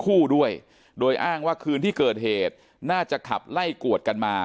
คู่ด้วยโดยอ้างว่าคืนที่เกิดเหตุน่าจะขับไล่กวดกันมา